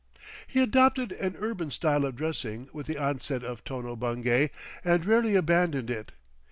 He adopted an urban style of dressing with the onset of Tono Bungay and rarely abandoned it.